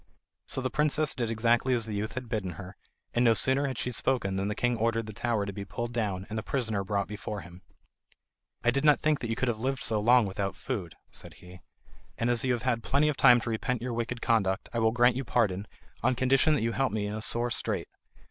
So the princess did exactly as the youth had bidden her; and no sooner had she spoken than the king ordered the tower to be pulled down, and the prisoner brought before him. "I did not think that you could have lived so long without food," said he, "and as you have had plenty of time to repent your wicked conduct, I will grant you pardon, on condition that you help me in a sore strait.